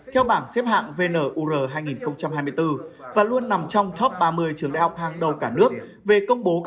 theo bảng xếp hạng vnur hai nghìn hai mươi bốn và luôn nằm trong top ba mươi trường đại học hàng đầu cả nước về công bố các đề tài